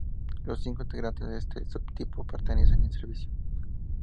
Los cinco integrantes de este subtipo permanecen en servicio.